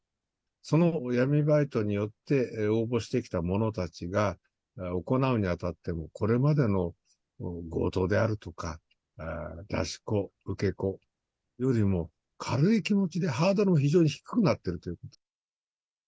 その闇バイトによって、応募してきた者たちが、行うにあたっても、これまでの強盗であるとか、出し子、受け子よりも軽い気持ちで、ハードルも非常に低くなってるということ。